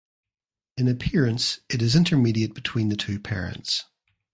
In appearance it is intermediate between the two parents.